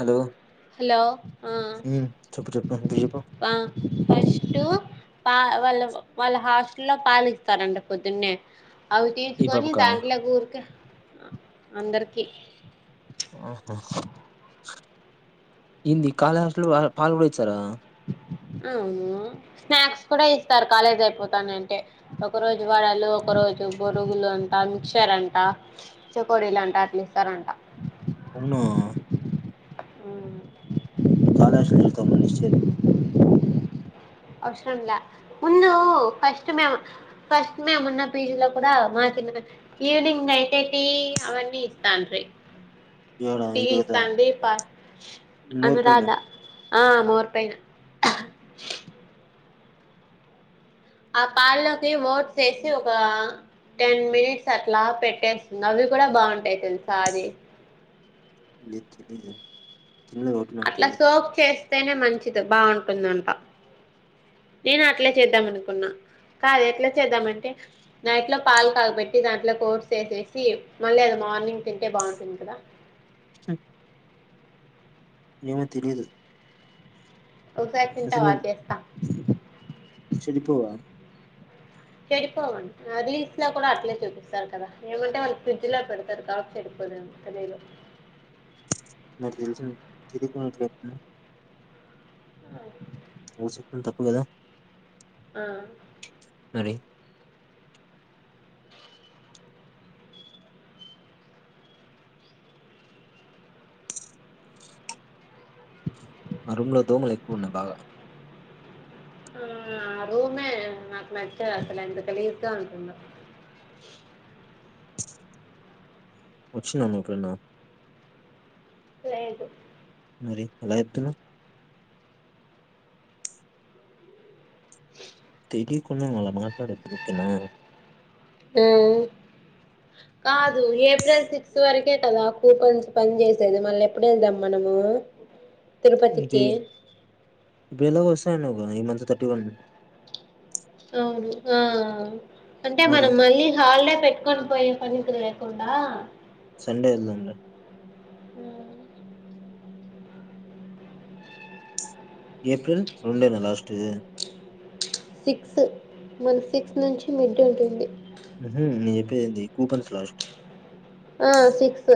Hello hello ఆ ఉమ్ చెప్పు చెప్పు ఇప్పుడు చెప్పు ఆ ఫస్ట్ పా వాళ్ళు వాళ్ళ హాస్టల్లో పాలిస్తారంట పొద్దున్నే అవి ఈ తీసుకొని పాపకా దాంట్లో గూరిక అందరికి ఆహా. ఏంది కాలేజీ హాస్టల్లో పాల్ కూడా ఇచ్చారా అవును స్నాక్స్ కూడా ఇస్తారు కాలేజ్ అయిపోతానంటే ఒక రోజు వడలు ఒక రోజు బొరుగులు అంట మిక్చర్ అంట చెకోడీలు అంటా అట్లా ఇస్తారంట అవునా ఉమ్ నీ కాలేజ్ హాస్టల్ చూద్దాం అనేసి అవసరంలా ముందు ఫస్ట్ మేమ్ ఫస్ట్ మేమ్ ఉన్న పీజీ లో కూడా మద్ కింద ఉన్న ఈవనింగ్ అయితే టీ అవన్నీ ఇస్తాన్రీ ఏడ పి ఇది కదా సందీపా మోర్ పైన అనురాధ ఆ మొరుటైన ఆ పాల్లోకి ఓట్స్ వేసి ఒక టెన్ మినిట్స్ అట్లా పెట్టేస్తుంది అవి కూడా బాగుంటాయి తెలుసా అది లేదు డేంజర్ అట్లా సోక్ చేస్తేనే మంచి ఇతూ బాగుంటుందంట నేను అట్లే చేద్దాం అనుకున్నా కాదే ఎట్లా చేద్దామంటే నైట్లో పాలు కాగబెట్టి దాంట్లో ఓట్స్ వేసేసి మళ్ళీ అది మార్నింగ్ తింటే బాగుంటుంది కదా ఉ ఏమీ తెలీదు ఒకసారి తింటావా చేస్తా చెడిపోవా చెడిపోవండి న రీల్స్ లో కూడా అట్లే చూపిస్తారు కదా ఏమంటే వాళ్ళు ఫ్రిడ్జ్ లో పెడతారు కాబట్టి చెడిపోదు ఏమో తెలియదు నాకు తెలుసు తిదిన్ [unintelligible] ఆ నువ్ చెపింది తప్పు కదా ఆ రె [inaudible] మా రూమ్ లో దోమలు ఎక్కువ ఉన్నా బాగా ఆ రూమే నాకు నచ్చ అసలు ఎంత గలీజ్ గా ఉంటుందో వచ్చిండా మీ ఫ్రెండు లేదు మరి ఎలా ఎప్తునవ్ స [unintelligible] ఇదికున్నా అలా మాట్లాడదు ఒకేనా ఆ కాదు ఏప్రిల్ సిక్స్ వరకే కదా కూపన్స్ పని చేసేది మళ్ళీ ఎప్పుడు ఏళ్దాం మనము తిరుపతికి బేదో వస్తానన్నావ్ కదా ఈ మంత థర్టీ వన్ అవును ఆ అంటే మరి మనం మళ్ళీ హాలిడే పెట్టుకొని పోయి పనితురేకుండా సండే ఎళ్దాం లే ఊ ఏప్రిల్ రొండేనా లాస్ట్ ది సిక్స్ మన సిక్స్ నుంచి మిడ్ ఉంటుంది ఉహూ నేను చెప్పేది ఏంది కూపన్స్ లాస్ట్ ఆ సిక్సు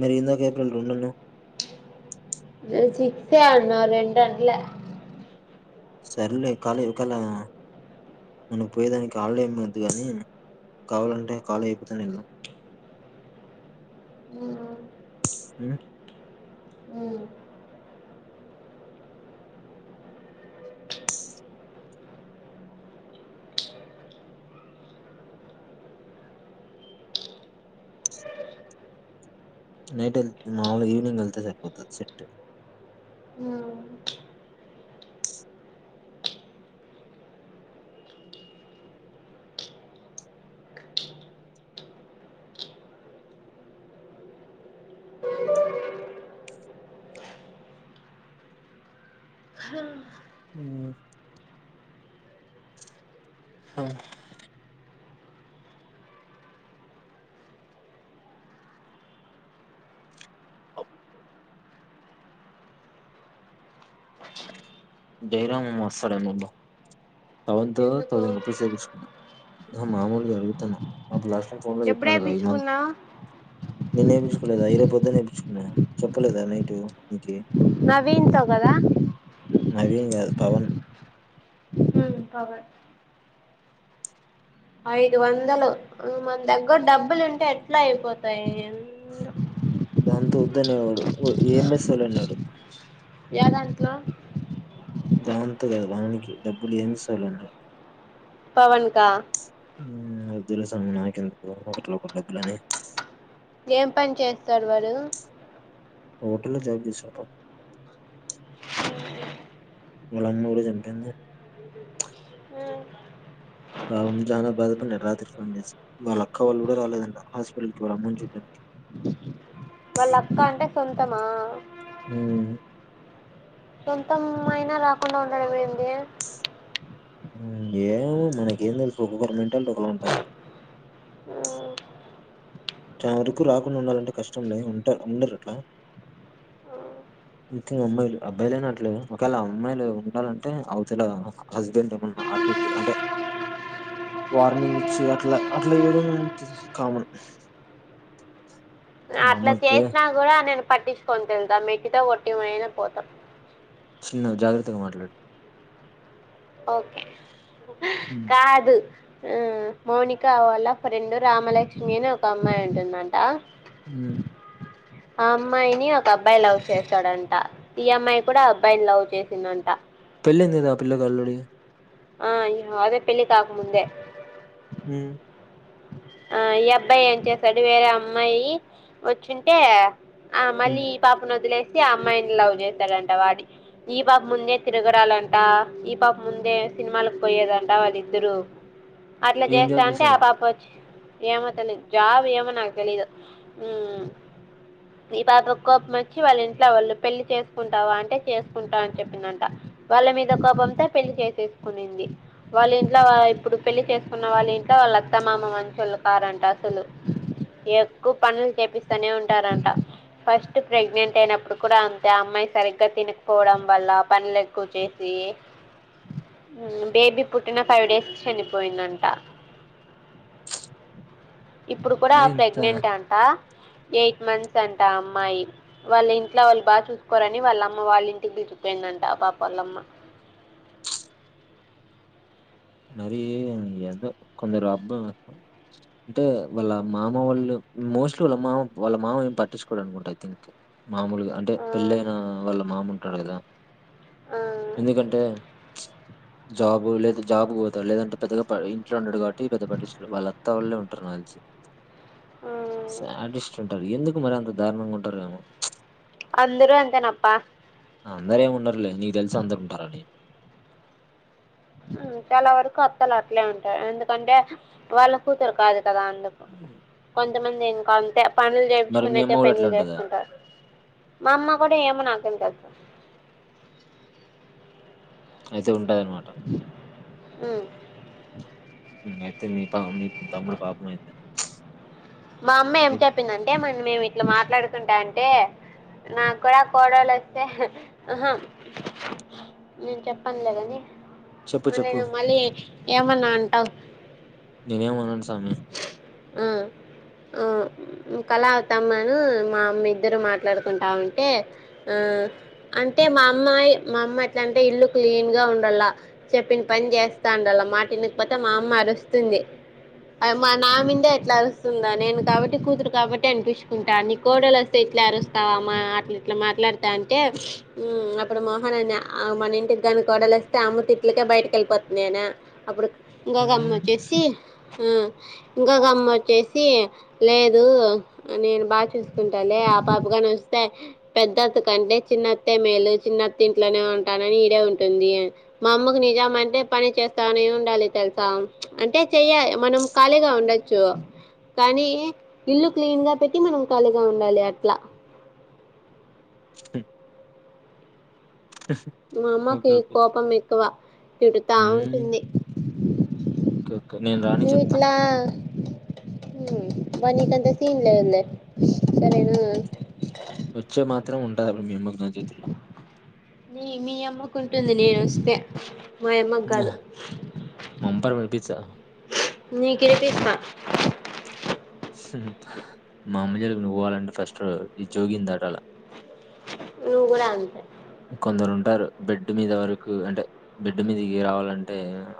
మరి ఇందాక ఏప్రిల్ రెండు అన్నావ్ నేను సిక్స్ అన్నా రెండు అనల సర్లే కాలి ఒకళ నన్ను పోయేదానికి హలిడే ఏమొద్దు కాని కావాలంటే కాలి అయిపోతాను నేను ఉ నైట్ వెళ్ మాముూలుగా ఈవినింగ్ వెళ్తే సరిపోతుంది సెట్ ఆ ఊ హ జయరామ్ ముమ్మ అసలేనబ్బా థౌసండ్ థౌసండ్ ఎందుకో థౌసండ్ రూపీస్ ఏపీచుకున్నా అహ మామూలుగా అళ్గుతన అ బ్లాస్ ఎప్పుడ ఏపీచుకున్నావ్ నిన్నేపిచుకోలేదా ఇరో పొద్దున్నె ఏపీచుకున్నా చెప్పలేదా నైటు నీకి నవీన్ తో గదా నవీన్ గాదు పవన్ దీంకవే ఐదు వందలు మన దగ్గర డబ్బులుంటే ఎట్లా అయిపోతాయి ఏందో దాంతో వద్దనేవాడు ఒ ఏం జెసల్ అనే వాడు యాదాంట్లో జావంతో కాదు వానికి డబ్బులు ఏమిస్తాలున్నాయి పవన్కా ఉ వద్దులే సామి నాకి ఎందుకు ఒకటి ఒక డబ్బులని ఏం పని చేస్తారు వాడు హోటల్లో జయిపి తీసుకుంటాం వీళ్ళమ్మ ఎవరో చనిపోయింది పాపం జానా బాధపన్నాడు. రాత్రి ఫోన్ చేసి వాళ్ళ అక్క వాళ్ళు కూడా రాలేదంట. హాస్పిటల్ కి రమ్మని చెప్పి వాళ్ళ అక్క అంటే సొంతమా ఉ సొంతం అయినా రాకుండా ఉండడం ఏంది ఏమో మనకు ఏం తెలుసు ఒకకరి మెంటల్ ఒకలా ఉంటద్ చ వరకు రాకుండా ఉండాలంటే కష్టం. లే ఉంటర్ ఉండరు అట్లా ఇంక అమ్మాయిలు, అబ్బాయిలైనా అట్లేన ఒకేళ ఆ అమ్మాయిలు ఉండాలంటే, అవతల హస్బెండ్ ఏమన్నా అటు అంటే వార్నింగ్ ఇచ్చి అట్లా అట్లా ఇయడం కామన్. మా అమ్మ అట్లా అయితే చేసినా కూడా నేను పట్టించుకోను తెలదా! ! ! ! ! ! ! ! ! ! కొట్టి అయినా పోతా చిన్నగ జాగ్రత్తగా మాట్లాడు ఓకే కాదు ఆ మౌనిక వాళ్ళ ఫ్రెండు రామలక్ష్మి అని ఒక అమ్మాయి ఉంటుందంట హు ఆ అమ్మాయిని ఒక అబ్బాయి చేస్తాడంట ఈ అమ్మాయి కూడా అబ్బాయిని చేసిందంట పెళ్లయింది కదా ఆల్రెడీ అ పిల్లకి ఆ అదే పెళ్ళి కాకముందే హుమ్ ఆ ఈ అబ్బాయి ఏం చేసాడు వేరే అమ్మాయి వచ్చుంటే ఆ ఉమ్. మళ్ళీ ఈ పాపను ఒదులేస్ ఆ అమ్మాయిని లవ్ చేస్తాడంట. వాడి ఈ పాప ముందే తిరగడాలంట. ఈ పాప ముందే సినిమాలకు పోయేదంట వాళ్ళిద్దరు అట్లా ఏం చేస్తా జాబ్ అంటే ఆ చేశాడు పాప వచ్చి ఏమో తెలిదు జాబ్ ఏమో నాకు తెలీదు. ఉ ఈ పాప కోపం వచ్చి వాళ్ళ ఇంట్లో వాళ్ళు పెళ్లి చేసుకుంటావా, అంటే చేసుకుంటా అని చెప్పిందంట. వాళ్ళ మీద కోపంతో పెళ్లి చేసేసుకునింది. వాళ్ళ ఇంట్లో ఇప్పుడు పెళ్లి చేసుకున్న వాళ్ళ ఇంట్లో వాళ్ళ అత్తమామ అ చలుకారంట అసలు ఎక్కువ పనులు చేపిస్తూనే ఉంటారంట. ఫస్ట్ ప్రెగ్నెంట్ అయినప్పుడు కూడా అంతే. అమ్మాయి సరిగ్గా తినకపోవడం వల్ల, పనులు ఎక్కువ చేసి బేబీ పుట్టిన ఫైవ్ డేస్ చనిపోయిందంట. ఇప్పుడు కూడా మరి ఇంత ప్రెగ్నెంట్ అంట ఎయిట్ మంత్స్ అంట అమ్మాయి వాళ్ళ ఇంట్లో వాళ్ళు బాగా చూసుకోరని వాళ్ళ అమ్మ వాళ్ళ ఇంటికి పిలిచికుపోయిందంట పాప వాళ్ళమ్మ మరి ఏదో కొందరు అబ్బా అంటే వాళ్ళ మామ వాళ్ళు మోస్ట్లీ వాళ్ళ మామ వాళ్ళ మామ ఏం పట్టించుకోడు అనుకుంట ఐ థింక్. మామూలుగా అంటే ఆ పెళ్ళ అయిన వాళ్ళ మామ ఉంటాడు కదా ఆ ఎందుకంటే. జాబ్ లేదు జాబ్ పోతాడు లేదంటే పెద్దగా ఇంట్లో ఉండడు. కాబట్టి పెద్దగ పట్టించుకోరు. వాళ్ళత్తా వాళ్ళే ఉంటరు నాకు తెలిసి ఆ శాడిస్ట్ అండి ఎందుక్ మరి అంత దారుణంగా ఉంటారేమో అందరు అంతేనప్ప లే ఉండ నీ తెలుస అంత ఉంటారాని చాలా వరకు అత్తలు అట్లే ఉంటా ఎందుకంటే వాళ్ళ కూతురు కాదు అత్తగాళ్లు కొంచం కొంతమంది ఇంకా అంతే పనులు మరి మీ అమ్మ చేయించుకున్నయికే కూడా అట్లా పెండ్లిలు ఉంటదా చేసుకుంటారు మా అమ్మ కూడా ఏమో నాకేం తెదు అయితే ఉ ఉంటదన మాట [inaudible] అయితే మీ పా మీ తమ్డు పాప అయితే మా అమ్మ ఏం ఇది- చెప్పిందంటే మన మేము ఇట్లా మాట్లాడుకుంటా అం అంటే నాకు కూడా కోడలు వస్తే నేను చెప్పనులేదని చెప్పు చెప్పు నేను మళ్ళీ ఏమన్నా అంటావు సమే ఆ ఆ కళ అవుతామను మా అమ్మ ఇద్దరు మాట్లాడుకుంటా ఉంటే ఆ అంటే మా అమ్మాయి మా అమ్మ ఎట్లాంటే ఇల్లు క్లీన్ గా ఉండాల చెప్పిన పని చేస్తా ఉండాల మాటనకపోతే మా అమ్మ అరుస్తుంది మా నామిందే ఎట్లా అరుస్తుందా నేను కాబట్టి కూతురు కాబట్టి అనిపించుకుంటా నీ కోడలు వస్తే ఇట్లా అరుస్తావా అమ్మా అట్లా ఇట్లా మాట్లాడతా అంటే అప్పుడు మోహన్ని మన ఇంటికి దని కోడలు వస్తే అమ్మ త ఇట్లకే బయటకి వెళ్ళిపోతుంది నేను అప్పుడు ఇంకాగా అమ్మ "మ్మ్, వచ్చేసి ఆ ఇంకా గమ్మ వచ్చేసి లేదు నేను బాగా చూసుకుంటాాల ఆ పాపగాని వస్తే పెద్దత్తు కంటే చిన్నత్త మేలు చిన్నత్త ఇంట్లోనే ఉంటానని ఈడే ఉంటుంది మా అమ్మకు నిజం అంటే పని చేస్తామని ఉండాలి తెలుసా అంటే చెయి మనం ఖాళీగా ఉండచ్చు కానీ ఇల్లు క్లీన్ గా పెట్టి మనం ఖాళీగా ఉండాలి అట్లా మా ఓకే అమ్మకి ఓకే కోపం ఎక్కువ చడుతా మ్మ్, ఉంటుంది అ ఓకే ఓకే నేను రాని నువ్ చెప్తా ఇట్లా నీకంత సీన్ లే ఉంద సరేనా ఇత్ర ఉంటది అప్పుడు మీ అమ్మకు నా చేతుల్లో నీ మీ అమ్మ కు ఉంటుంది నేను వస్తే మా అమ్మకు కాదు మంబర్ వపి చ నీ కర తీస్మా మా అమ్మ జలుకి నువ్వాలంటే ఫస్ట్ ఇది జోగిందట అలా నువు కూడా ఆంతే కొందరు ఉంటారు బెడ్ మీద వరకు అంటే బెడ్ మీద ఇ రావాలంటే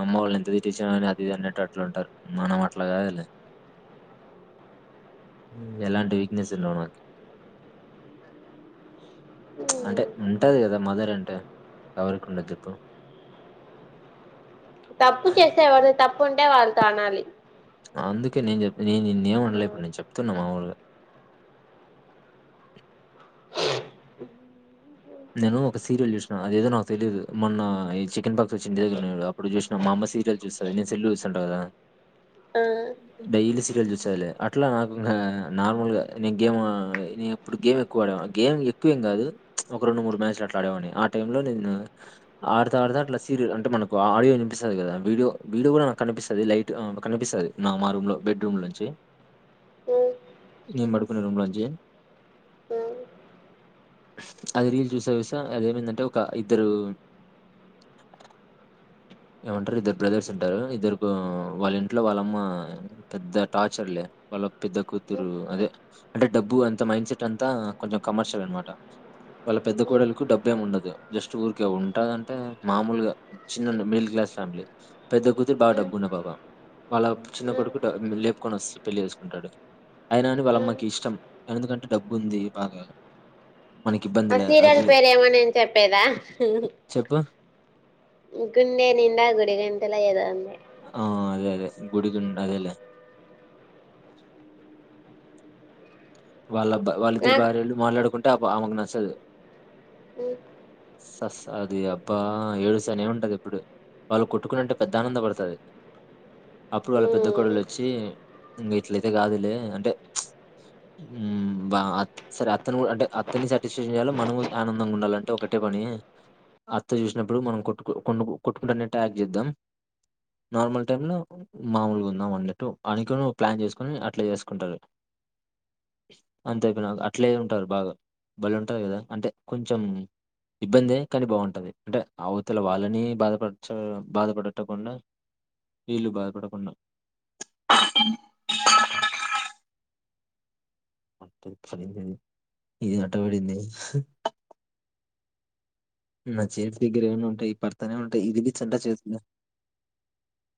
అమ్మ వాళ్ళు ఎంత తచ్చిన కాని అతిది అనేటట్లు ఉంటారు మనం అట్లాగాదు ఎలాంటి వీక్నెస్ ఉండవుకి అంటే ఉంటది కదా మదర్ అంటే ఎవరి ఉండకిప్ప ఎ వాళ్ళు తానాలి అందుకే నేను చెప్ నేనున్న ఏండలే ఇప్పుడు నేనుప్తున్నా మా ఊర్ [inaudible] నేను ఒక సీరియల్ చూ అదేదో నాకు తెలీయదు మొన్న ఈ చికెన్ పక్క చి దగ్రడు అప్పుడు చూసిన మా అమ్మ సీరియల్ చూస్తుంది నేను సెల్ చూస్తుంటా కదా ఆ డైలీ సీరియల్ సూచ్చదిలే అట్లా నాకు ఇంకా నార్మల్ గా నేను గేమ్ నేను ఎప్పుడు గేమ్ ఎక్కువ ఆదేవాన్ని గేమ్ ఎక్కువేం కాదు ఒక రెండు మూడు మ్యాచ్లు అట్లా ఆడేవాన్ని ఆ టైంలో నేను ఆడుత ఆడతా అట్లా సీరియల్ అంటే మనకు ఆడియో వినిపిస్తుంది కదా వీడియో వీడియో కూడా నాకు కనిపిస్తుంది లైట్ కనిపిస్తుంది నా మా రూమ్ లో బెడ్రూమ్ నుంచి ఓ నేను పడుకునే రూమ్ లో నుంచి ఆ అ అది రీల్ చూస్తా చూస్తా అదేమైందంటే ఒక ఇద్దరు ఏమంటారు ఇద్దరు బ్రదర్స్ ఉంటారు ఇద్దరు వాళ్ళ ఇంట్లో వాళ్ళమ్మ పెద్ద టార్చర్లే వాళ్ళ పెద్ద కూతురు అదే అంటే డబ్బు అంత మైండ్ సెట్ అంతా కొంచెం కమర్షియల్ అనమాట వాళ్ళ పెద్ద కోడలకు డబ్బు ఏమి ఉండదు జస్ట్ ఊరికే ఉంటంది అంటే మామూలుగా చిన్న మ మిడిల్ క్లాస్ ఫ్యామిలీ పెద్ద కూతురు బాగా డబ్బు ఉన్న పాప వాళ్ళ చిన్న కొడుకు లేపుకొని వచ్చి పెళ్ళి చేసుకుంటాడు అయినా అని వాళ్ళమ్మకి ఇష్టం ఎందుకంటే డబ్బు ఉంది బాగా ఆ మనకిబ్బందిలే సీరియల్ అది పేరేమో నేను చెప్పేదా చెప్పు? గుండె నిండ గుడి గంటెలా ఏదో ఉంది గుడి గుండా అదేలే వాళ్ళ వాళ్ళిద్దరు భార్యలు మాట్లాడుకుంటే క ఆమెకి నచ్చదు ఓ స స అది అబ్బా ఏడుస్తానే ఉంటది ఎప్పుడు వాళ్ళు కొట్టుకునింటే పెద్ద ఆనంద పడుతుది అప్పుడు వాళ్ళ పెద్ద ఆ కోడలు వచ్చి ఇంక ఇట్లయితే కాదులే అంటే ఉమ్ బా అ సరే అత్తను కూడా అంటే అత్తన్ని సాటిస్ఫాక్షన్ చేయాలో మనం కూడా ఆనందంగా ఉండాలంటే ఒకటే పని అత్త చూసినప్పుడు మనం కొట్టు కొ కొట్టుకుంటున్నట్టు యాక్ట్ చేద్దాం నార్మల్ టైంలో మామూలుగా ఉందాం అన్నట్టు అనుకోని ప్లాన్ చేసుకొని అట్లా చేసుకుంటారు అంత అయిపో నా అట్లే ఉంటారు బాగా బలే ఉంటది కదా అంటే కొంచెం ఇబ్బందే కానీ బాగుంటది అంటే అవతల వాళ్ళని బాధపడ బాధపడకుండా వీళ్ళు బాధపడకుండా ప్చ్ అదిది ఇది నట్టబడిందే నా చేతి దగ్గర ఏమన్న ఉంటాయి పర్తనే ఉంటాయి ఇదిలిచ్చి అంత చేస్తా